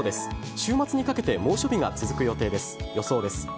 週末にかけて猛暑日が続く予想です。